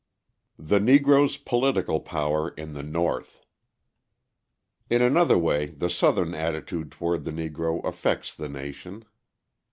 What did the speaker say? The Negro's Political Power in the North In another way the Southern attitude toward the Negro affects the nation.